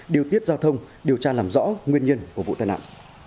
điều tiết giao thông điều tra làm rõ nguyên nhân của vụ tai nạn